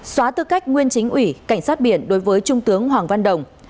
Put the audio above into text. xóa tư cách nguyên chính ủy cảnh sát biển đối với trung tướng hoàng văn đồng